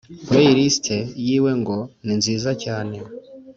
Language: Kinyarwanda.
playlist yiwe ngo ni nziza cyane